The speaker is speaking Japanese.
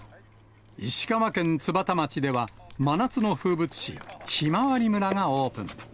石川県津幡町では、真夏の風物詩、ひまわり村がオープン。